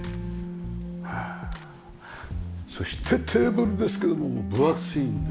そしてテーブルですけども分厚いんです。